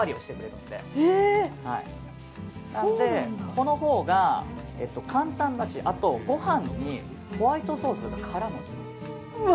なので、このほうが簡単だしあとご飯にホワイトソースが絡む。